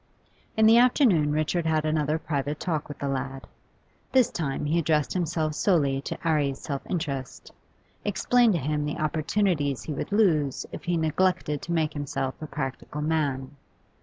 In the afternoon Richard had another private talk with the lad. This time he addressed himself solely to 'Arry's self interest, explained to him the opportunities he would lose if he neglected to make himself a practical man.